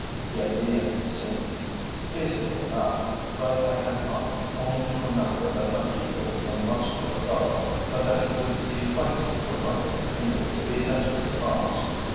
The idea seemed feasible enough, but I had not only to remember that my keeper was a muscular fellow, but that he would be fighting for what he knew to be a desperate cause.